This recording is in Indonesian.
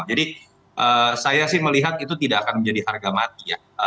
jadi saya sih melihat itu tidak akan menjadi harga mati ya